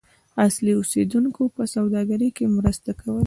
اصلي اوسیدونکو په سوداګرۍ کې مرسته کوله.